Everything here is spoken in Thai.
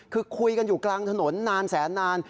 คือคุยกันอยู่กลางถนนนานแสนนาน